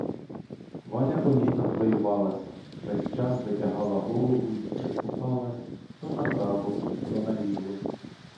Валя помітно хвилювалась, весь час витягала голову й прислухалась то направо, то наліво.